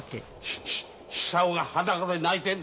久男が裸で泣いてんだよ。